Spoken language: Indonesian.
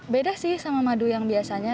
beda sih sama madu yang biasanya